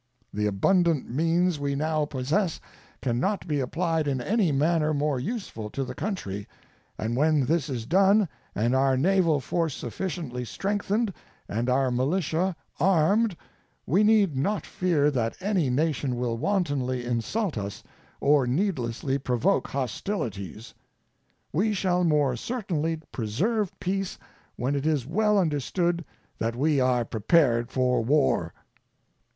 The abundant means we now possess can not be applied in any manner more useful to the country, and when this is done and our naval force sufficiently strengthened and our militia armed we need not fear that any nation will wantonly insult us or needlessly provoke hostilities. We shall more certainly preserve peace when it is well understood that we are prepared for War.